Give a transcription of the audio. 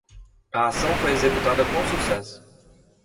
A ação foi executada com sucesso